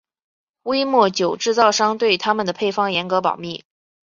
威末酒制造商对他们的配方严格保密。